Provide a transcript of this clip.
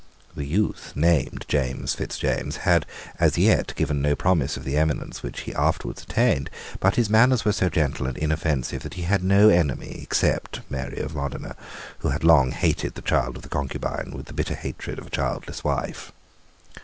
The youth, named James Fitzjames, had as yet given no promise of the eminence which he afterwards attained: but his manners were so gentle and inoffensive that he had no enemy except Mary of Modena, who had long hated the child of the concubine with the bitter hatred of a childless wife.